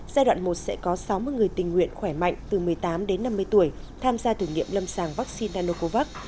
giai đoạn một sẽ có sáu mươi người tình nguyện khỏe mạnh từ một mươi tám đến năm mươi tuổi tham gia thử nghiệm lâm sàng vaccine nanocovax